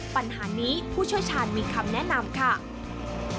ปัญหานี้ผู้เชี่ยวชาญมีคำแนะนำค่ะ